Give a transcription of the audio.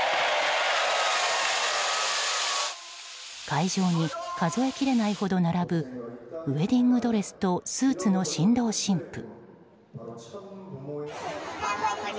会場に数えきれないほど並ぶウェディングドレスとスーツの新郎新婦。